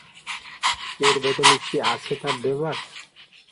এর বদলে কী আছে তার দেবার?